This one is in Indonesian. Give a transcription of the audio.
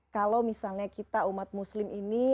kalau misalnya kita umat muslim ini